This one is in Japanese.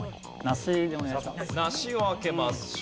ナシを開けます。